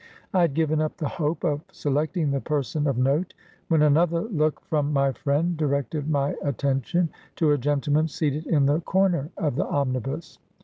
I had given up the hope of selecting the person of note, when another look from my friend directed my attention to a gentleman seated in the corner of the omnibus.